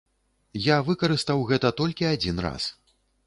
Я выкарыстаў гэта толькі адзін раз.